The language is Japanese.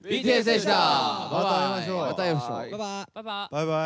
バイバイ！